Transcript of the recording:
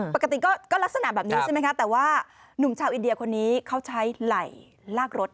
ปกติก็ลักษณะแบบนี้ใช่ไหมคะแต่ว่าหนุ่มชาวอินเดียคนนี้เขาใช้ไหล่ลากรถ